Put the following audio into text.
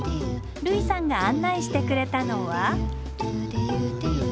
類さんが案内してくれたのは。